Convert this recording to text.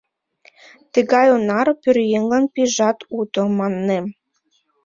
— Тыгай онар пӧръеҥлан пийжат уто, маннем.